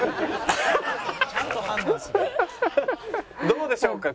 どうでしょうか？